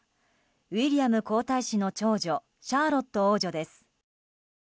ウィリアム皇太子夫妻の長女シャーロット王女です。